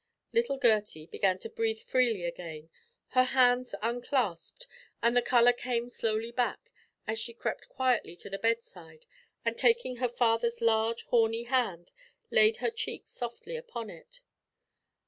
Little Gertie began to breathe freely again. Her hands unclasped, and the colour came slowly back, as she crept quietly to the bedside, and, taking her father's large horny hand, laid her cheek softly upon it.